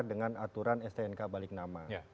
dengan aturan stnk balik nama